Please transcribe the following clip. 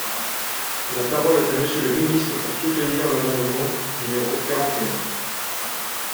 La parole est à Monsieur le ministre, pour soutenir l’amendement numéro quarante et un.